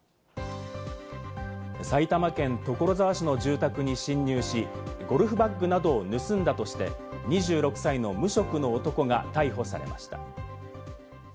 埼玉県所沢市の住宅に侵入し、ゴルフバッグなどを盗んだとして、２６歳の無職の男が逮捕されました。